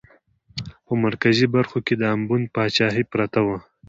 په مرکزي برخه کې د امبون پاچاهي پرته وه.